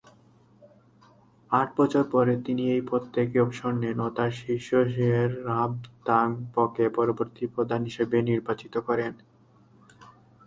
আট বছর পরে তিনি এই পদ থেকে অবসর নেন ও তার শিষ্য শেস-রাব-দ্বাং-পোকে পরবর্তী প্রধান হিসেবে নির্বাচিত করেন।